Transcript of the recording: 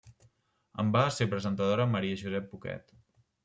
En va ser presentadora Maria Josep Poquet.